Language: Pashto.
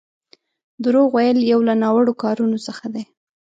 دروغ ويل يو له ناوړو کارونو څخه دی.